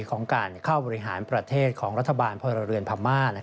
ของการเข้าบริหารประเทศของรัฐบาลพลเรือนพม่า